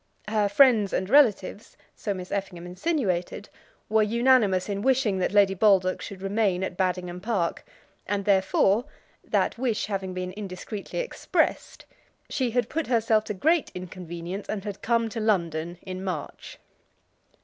Her friends and relatives, so Miss Effingham insinuated, were unanimous in wishing that Lady Baldock should remain at Baddingham Park, and therefore, that wish having been indiscreetly expressed, she had put herself to great inconvenience, and had come to London in March.